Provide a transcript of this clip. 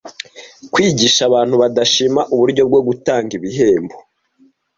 Kwigisha abantu badashima uburyo bwo gutanga ibihembo